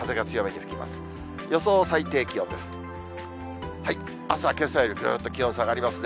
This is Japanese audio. あすはけさよりぐっと気温下がりますね。